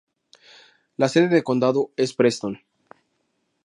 La sede de condado es Preston.